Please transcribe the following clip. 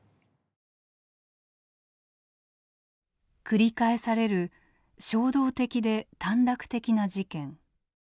繰り返される衝動的で短絡的な事件。